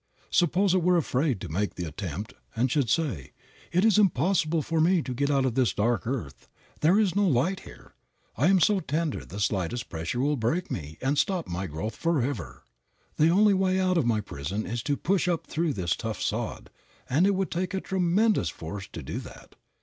Suppose it were afraid to make the attempt and should say: "It is impossible for me to get out of this dark earth. There is no light here. I am so tender the slightest pressure will break me and stop my growth forever. The only way out of my prison is to push up through this tough sod, and it would take a tremendous force to do that.